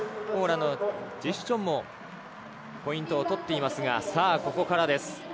ポーランドのチシュチョンもポイントを取っていますがここからです。